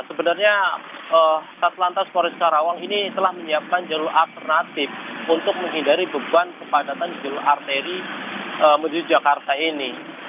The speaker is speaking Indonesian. sebenarnya tas lantas kores karawang ini telah menyiapkan jalur alternatif untuk menghindari beban kepadatan jeluh arteri medi jakarta ini